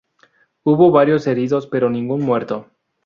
Hubo varios heridos pero ningún muerto.